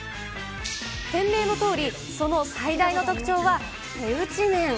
店名のとおり、その最大の特徴は手打ち麺。